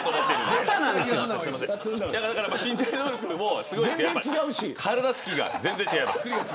身体能力もすごいですけど体つきが全然違います。